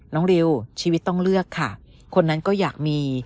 ริวชีวิตต้องเลือกค่ะคนนั้นก็อยากมี